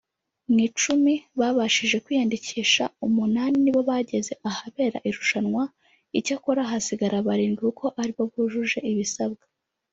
mu icumi babashije kwiyandikisha umunani ni bo bageze ahabera irushanwa icyakora hasigara barindwi kuko ari bo bujuje ibisabwa